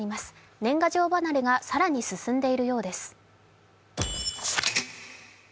年賀状離れが更に進んでいるようです。